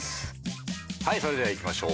はいそれではいきましょう。